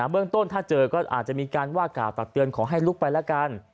เบื้องต้นถ้าเจอก็อาจจะมีการว่ากล่าวตักเตือนขอให้ลุกไปแล้วกัน